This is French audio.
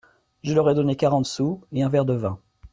Je leur ai donné quarante sous… et un verre de vin !…